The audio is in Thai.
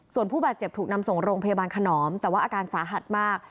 ส่วนผู้บาดเจ็บถูกนำส่งโรงพยาบาลขนอมแต่ว่าอาการสาหัสมาก